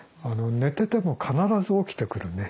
寝てても必ず起きてくるね。